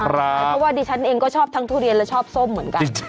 เพราะว่าดิฉันเองก็ชอบทั้งทุเรียนและชอบส้มเหมือนกัน